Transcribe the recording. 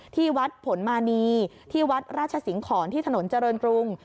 ที่วัดผลมานีที่วัดราชสิงหอนที่ถนนเจริญกรุง